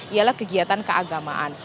ialah kegiatan keagamaan